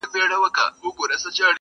ويل زه يوه مورکۍ لرم پاتيږي-